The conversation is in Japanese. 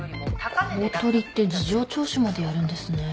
公取って事情聴取までやるんですね。